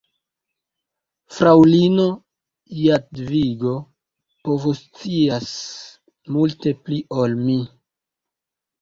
Fraŭlino Jadvigo povoscias multe pli ol mi.